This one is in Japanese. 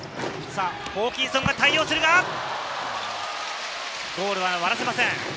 ホーキンソンが対応するが、ゴールは割らせません。